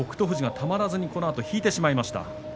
富士がたまらずこのあと引いてしまいました。